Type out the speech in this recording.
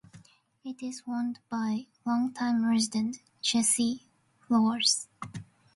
It is owned by longtime resident Jesse Flores.